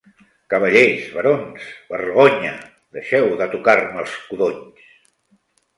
Cavallers, barons, vergonya! Deixeu de tocar-me els codonys!